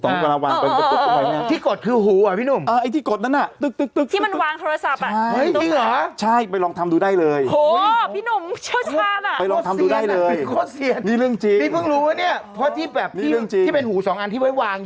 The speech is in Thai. เป็นระบบมุ้นแต่เห็นไหมในหูกำลังได้ไป